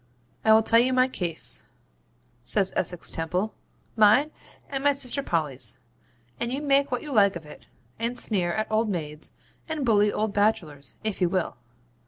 'I will tell you my case,' says Essex Temple; 'mine and my sister Polly's, and you may make what you like of it; and sneer at old maids, and bully old bachelors, if you will.